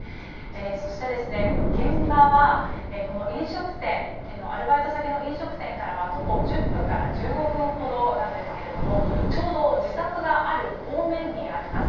そして現場はアルバイト先の飲食店からは徒歩１０分から１５分ほどなんですけれどもちょうど自宅がある方面にあります。